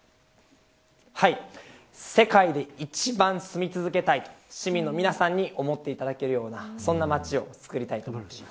世界で一番住み続けたいと皆さんに思っていただけるようなそんな街をつくっていきたいです。